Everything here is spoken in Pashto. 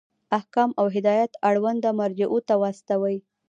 احکام او هدایات اړونده مرجعو ته واستوئ.